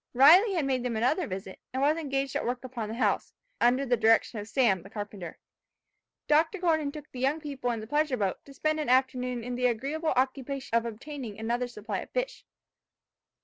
Riley had made them another visit, and was engaged at work upon the house, under the direction of Sam, the carpenter. Dr. Gordon took the young people in the pleasure boat, to spend an afternoon in the agreeable occupation of obtaining another supply of fish.